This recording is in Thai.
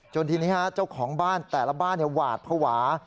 ทีนี้เจ้าของบ้านแต่ละบ้านหวาดภาวะ